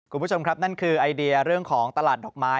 คุณผู้ชมครับนั่นคือไอเดียเรื่องของตลาดดอกไม้